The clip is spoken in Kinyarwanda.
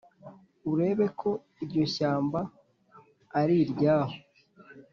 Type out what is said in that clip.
urebe ko iryo shyamba ariryaho